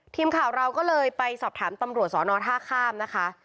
ทีมข่าวเราก็เลยไปสอบถามตำรวจสอนอท่าข้ามนะคะ